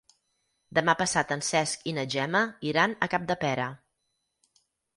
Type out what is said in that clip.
Demà passat en Cesc i na Gemma iran a Capdepera.